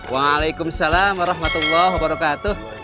waalaikumsalam warahmatullahi wabarakatuh